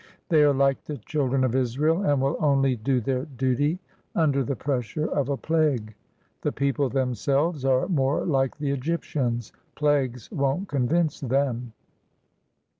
They are like the children of Israel, and will only do their duty under the pressure of a plague. The people themselves are more like the Egyptians. Plagues won't convince them.